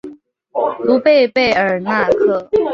卢贝贝尔纳克。